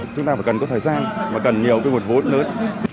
chúng ta phải cần có thời gian và cần nhiều cái vụt vốn lớn